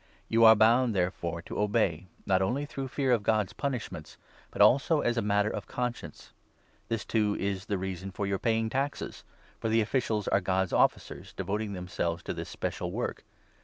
You are bound, there 5 fore, to obey, not only through fear of God's punishments, but also as a matter of conscience. This, too, is the reason for your 6 paying taxes ; for the officials are God's officers, devoting them selves to this special work.